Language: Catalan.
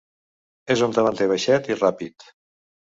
És un davanter baixet i ràpid.